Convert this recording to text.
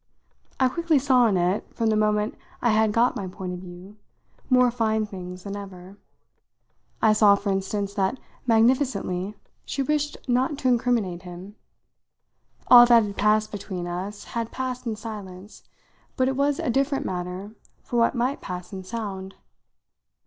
I quickly saw in it, from the moment I had got my point of view, more fine things than ever. I saw for instance that, magnificently, she wished not to incriminate him. All that had passed between us had passed in silence, but it was a different matter for what might pass in sound.